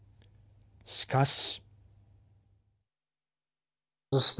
しかし。